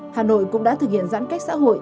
hà nội cũng đã thực hiện giãn cách xã hội